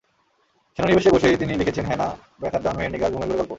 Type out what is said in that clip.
সেনানিবাসে বসেই তিনি লিখেছেন হেনা, ব্যথার দান, মেহের নিগার, ঘুমের ঘোরে গল্প।